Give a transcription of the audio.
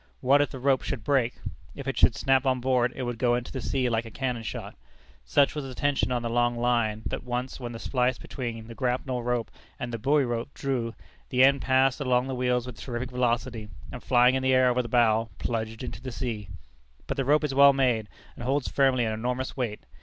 What if the rope should break? If it should snap on board, it would go into the sea like a cannon shot. Such was the tension on the long line, that once when the splice between the grapnel rope and the buoy rope "drew," the end passed along the wheels with terrific velocity, and flying in the air over the bow, plunged into the sea. But the rope is well made, and holds firmly an enormous weight.